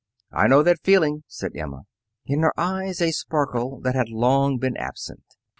"I know that feeling," said Emma, in her eyes a sparkle that had long been absent.